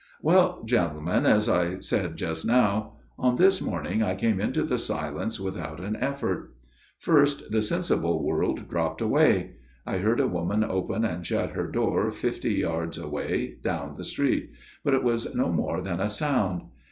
" Well, gentlemen, as I said just now ; on this morning I came into the silence without an effort. 8 <*ooo) 106 A MIRROR OF SHALOTT First the sensible world dropped away. I heard a woman open and shut her door fifty yards away down the street ; but it was no more than a sound.